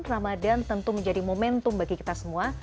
ramadhan tentu menjadi momentum bagi kita semua